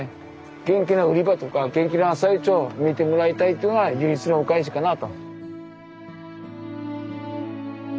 元気な売り場とか元気な朝市を見てもらいたいっていうのが唯一のお返しかなあと。